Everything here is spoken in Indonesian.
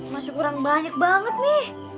masih kurang banyak banget nih